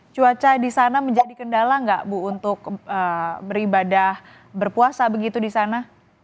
cuaca di sana menjadi kendala nggak bu untuk beribadah berpuasa begitu di sana